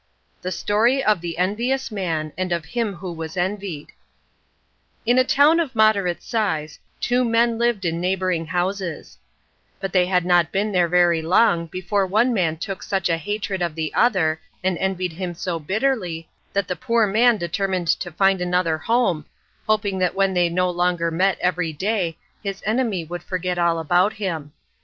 The Story of the Envious Man and of Him Who Was Envied In a town of moderate size, two men lived in neighbouring houses; but they had not been there very long before one man took such a hatred of the other, and envied him so bitterly, that the poor man determined to find another home, hoping that when they no longer met every day his enemy would forget all about him.